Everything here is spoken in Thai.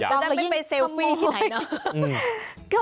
จะยิ่งขโมย